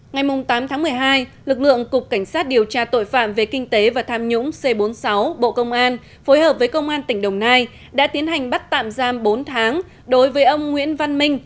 ngày tám tháng một mươi hai lực lượng cục cảnh sát điều tra tội phạm về kinh tế và tham nhũng c bốn mươi sáu bộ công an phối hợp với công an tỉnh đồng nai đã tiến hành bắt tạm giam bốn tháng đối với ông nguyễn văn minh